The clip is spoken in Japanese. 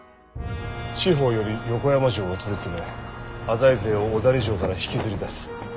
四方より横山城を取り詰め浅井勢を小谷城から引きずり出す。